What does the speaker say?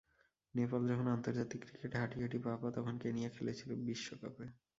নেপাল যখন আন্তর্জাতিক ক্রিকেটে হাঁটি হাঁটি পা-পা, তখন কেনিয়া খেলেছিল বিশ্বকাপে।